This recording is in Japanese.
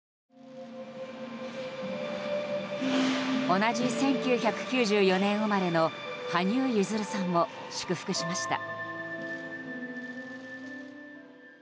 同じ１９９４年生まれの羽生結弦さんも祝福しました。